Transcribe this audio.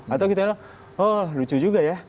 atau kita bilang oh lucu juga ya